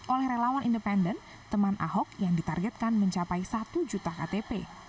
oleh relawan independen teman ahok yang ditargetkan mencapai satu juta ktp